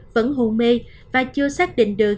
vẫn hôn mê và chưa xác định được